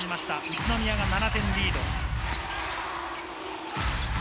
宇都宮が７点リード。